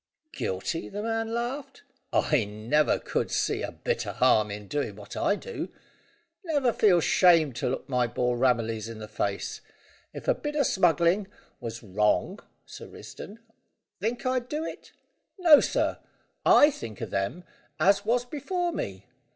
"Guilty?" the man laughed. "I never could see a bit o' harm in doing what I do. Never feel shamed to look my boy Ramillies in the face. If a bit o' smuggling was wrong, Sir Risdon, think I'd do it? No, sir; I think o' them as was before me.